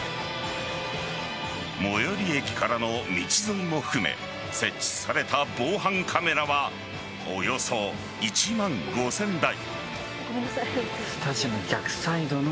最寄り駅からの道沿いも含め設置された防犯カメラはおよそ１万５０００台。